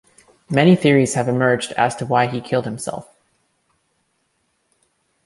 Many theories have emerged as to why he killed himself.